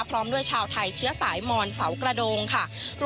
พร้อมด้วยชาวไทยเชื้อสายมอนเสากระโดงค่ะ